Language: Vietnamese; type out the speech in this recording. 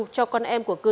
cho con em của cư dân